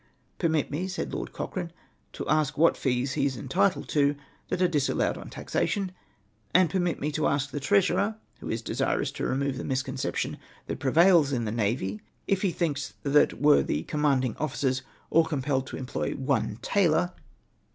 Permit me,"' said Lord Cochrane, to ask what fees he is entitled to that are disallowed on taxation ; and permit me to ask the treasurer, Avho is desirous to remove the misconception that prevails in tlie navy, if he thinl LS that were the com manding officers all compelled to employ one tailor, (the MY REPLY.